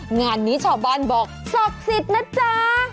งานนี้ชาวบ้านบอกศักดิ์สิทธิ์นะจ๊ะ